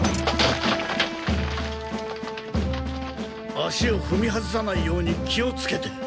足をふみ外さないように気をつけて。